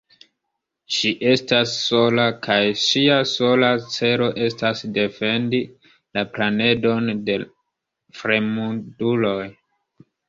Ŝi estas sola, kaj ŝia sola celo estas defendi la planedon de fremduloj.